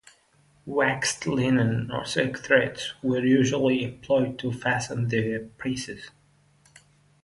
Waxed linen or silk threads were usually employed to fasten the braces.